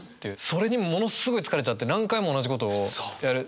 それにものすごい疲れちゃって何回も同じことをやる。